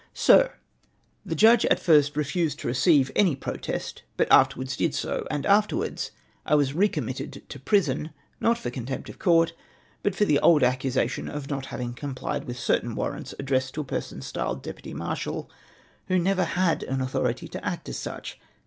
"Sir, The judge at first refused to receive any protest, but afterwards did so ; and afterwards I was re committed to prison, not for contempt of court, but for the old accusation of not having complied with certain warrants addressed to a person styled deputy marshal, Avho never had an authority to act as such.